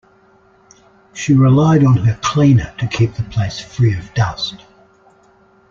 She relied on her cleaner to keep the place free of dust.